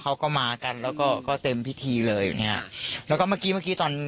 เขาก็มากันแล้วก็ก็เต็มพิธีเลยแบบเนี้ยแล้วก็เมื่อกี้เมื่อกี้ตอน